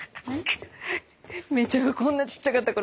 芽依ちゃんがこんなちっちゃかった頃。